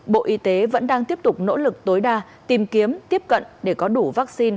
bộ y tế vẫn đang tiếp tục nỗ lực tối đa tìm kiếm tiếp cận để có đủ vaccine